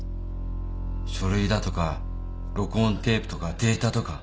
書類だとか録音テープとかデータとか。